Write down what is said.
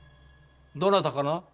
どなたかな？